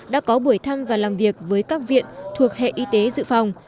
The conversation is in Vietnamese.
đã có buổi thăm và làm việc với các viện thuộc hệ y tế dự phòng